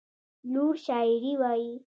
لور شاعري وايي.